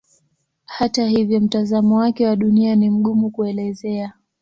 Hata hivyo mtazamo wake wa Dunia ni mgumu kuelezea.